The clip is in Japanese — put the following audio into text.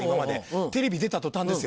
テレビ出た途端ですよ